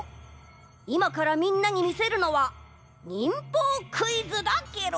いまからみんなにみせるのは忍法クイズだケロ。